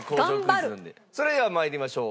それでは参りましょう。